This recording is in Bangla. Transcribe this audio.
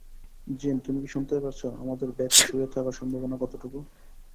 জিন তুমি কি শুনতে পারছো আমাদের বেঁচে শুয়ে থাকার সম্ভাবনা কতটুকু?